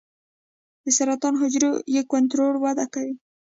د سرطان حجرو بې کنټروله وده کوي.